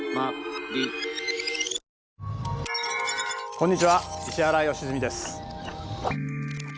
こんにちは石原良純です。